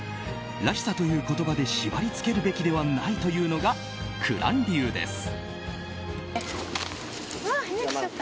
らしさという言葉で縛り付けるべきではないというのが紅蘭流です。